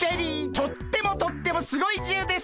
とってもとってもすごいじゅうです！